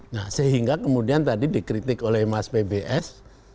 nah sehingga kemudian tadi dikritik oleh mas pbs